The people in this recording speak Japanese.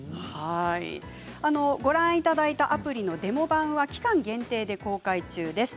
ご覧いただいたアプリのデモ版は期間限定で公開中です。